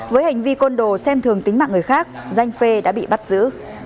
với hành vi côn đồ xem thường tính mạng người khác danh phê đã bị bắt giữ